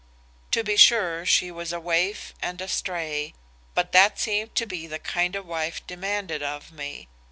To be sure she was a waif and a stray, but that seemed to be the kind of wife demanded of me.